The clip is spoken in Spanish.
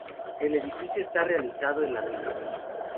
El edificio está realizado en ladrillo.